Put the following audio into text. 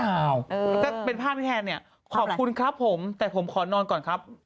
แต่เป็นภาพแทนขอบคุณครับผมแต่ผมขอนอนก่อนครับ